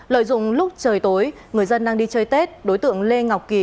lợi dụng lúc trời tối người dân đang đi chơi tết đối tượng lê ngọc kỳ